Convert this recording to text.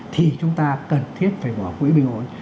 thì chúng ta cần thiết phải bỏ quỹ bình ổn